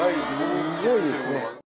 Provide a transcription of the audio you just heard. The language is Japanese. すごいですね。